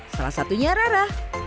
salah satunya rara